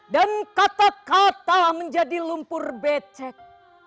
dan kata kata menjadi lumpur becek